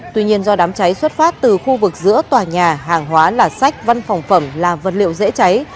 tuy nhiên do đám cháy xuất phát từ khu vực giữa tòa nhà hàng hóa là sách văn phòng phẩm là vật liệu dễ cháy